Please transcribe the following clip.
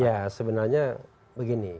ya sebenarnya begini